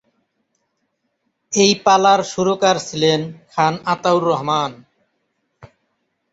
এই পালার সুরকার ছিলেন খান আতাউর রহমান।